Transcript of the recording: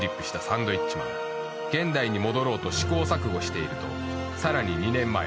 ［現代に戻ろうと試行錯誤しているとさらに２年前。